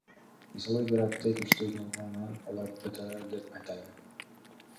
Мисалы бир атты күчтүү болгондугунан улам БТР деп атайм.